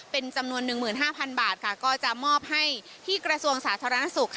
เป็นจำนวน๑๕๐๐๐บาทก็จะมอบให้ที่กระทรวงสาธารณสุข